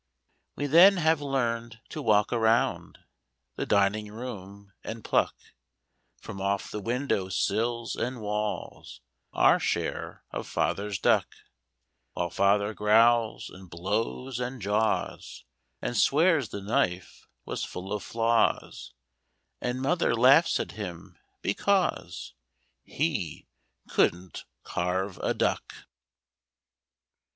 We then have learned to walk around the dining room and pluck From off the windowsills and walls Our share of Father's duck While Father growls and blows and jaws And swears the knife was full of flaws And Mother laughs at him because He couldn't carve a duck.